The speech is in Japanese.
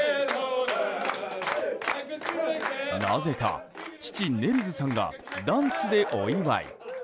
なぜか父ネルズさんがダンスでお祝い。